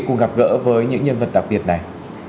cùng gặp gỡ với những nhân vật đặc biệt này